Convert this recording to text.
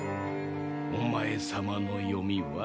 お前様の読みは？